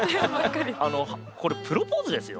これプロポーズですよ。